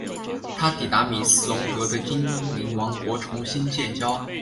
他抵达米斯龙德的精灵王国重新建交。